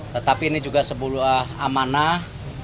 tetapi ini juga sebuah amanah